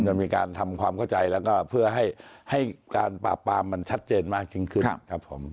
มันมีการทำความเข้าใจแล้วก็เพื่อให้การปราบปรามมันชัดเจนมากยิ่งขึ้นครับผม